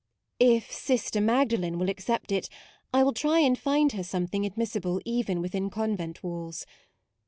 " If Sister Magdalen will accept it, I will try and find her something admissible even within convent walls.